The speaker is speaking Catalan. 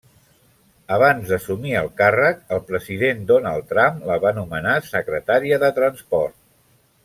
Abans d'assumir el càrrec, el president Donald Trump la va nomenar secretària de Transport.